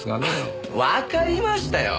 わかりましたよ！